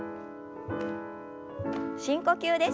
深呼吸です。